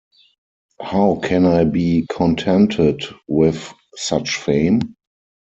How can I be contented with such fame?